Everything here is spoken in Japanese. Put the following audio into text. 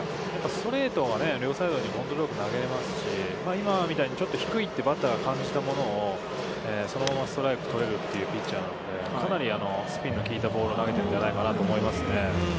ストレートが両サイドにコントロールよく投げれますし、今みたいに、ちょっと低いってバッターが感じたものをそのままストライクを取れるピッチャーなので、かなりスピンの効いたボールを投げているんじゃないかと思います。